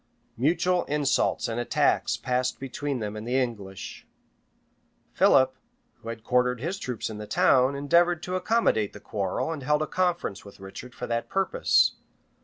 Mutual insults and attacks passed between them and the English: Philip, who had quartered his troops in the town, endeavored to accommodate the quarrel, and held a conference with Richard for that purpose.